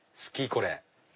これ。